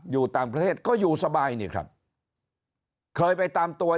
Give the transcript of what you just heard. อยู่ต่างประเทศก็อยู่สบายนี่ครับเคยไปตามตัว